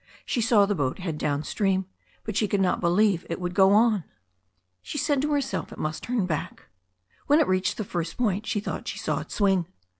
She saw the boat head down stream, but she could not believe it would go on. She said to herself it must turn back. When it reached the first point she thought she saw it swing.